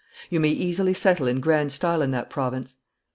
You may easily settle in grand style in that province."